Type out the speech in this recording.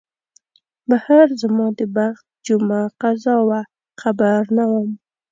بهر زما د بخت جمعه قضا وه خبر نه وم